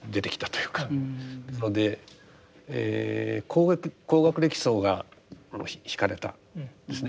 なので高学歴層が惹かれたんですね。